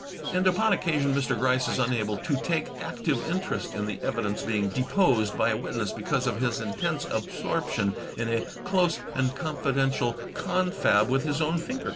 And, upon occasion, Mr. Gryce is xmable to take active interest in the evidence being deposed by a witness because of his intense absorption in a "close and confidential confab with his own finger tips."